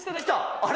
あれ？